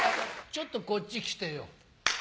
ちょっとこっち来てよ。